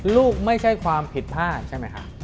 ไม่ใช่ความผิดพลาดใช่ไหมคะ